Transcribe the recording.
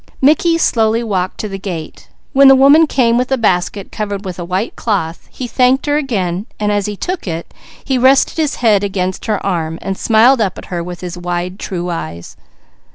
Mickey slowly walked to the gate. When the woman came with a basket covered with a white cloth, he thanked her again; as he took it he rested his head against her arm, smiling up at her with his wide true eyes.